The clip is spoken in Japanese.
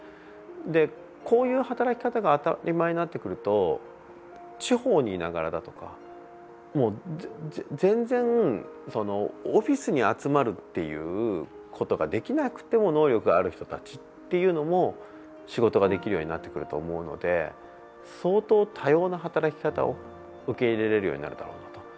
で、こういう働き方が当たり前になってくると地方にいながらだとかもう、全然、オフィスに集まるっていうことができなくても能力がある人たちっていうのも仕事ができるようになってくると思うので相当、多様な働き方を受け入れられるようになるだろうなと。